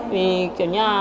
vì kiểu như là